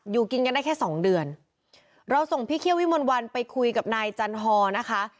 อยู่กินกันได้แค่สองเดือนเราส่งพี่เคี่ยววิมนต์วันไปคุยกับนายจันฮอนะคะ